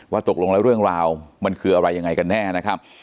ตกลงแล้วเรื่องราวมันคืออะไรยังไงกันแน่นะครับ